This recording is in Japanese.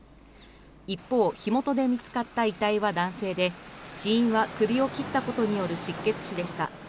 一方、火元で見つかった遺体は男性で死因は首を切ったことによる失血死でした。